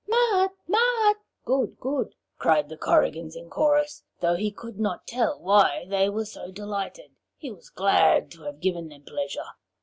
'Mat! Mat!' (Good! Good!) cried the Korrigans in chorus, and though he could not tell why they were so delighted, he was glad to have given them pleasure.